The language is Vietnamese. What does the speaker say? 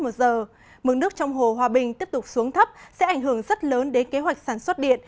mực nước trong hồ hòa bình tiếp tục xuống thấp sẽ ảnh hưởng rất lớn đến kế hoạch sản xuất điện